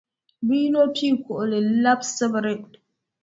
Bɛ yino pii kuɣili n-labi Sibiri.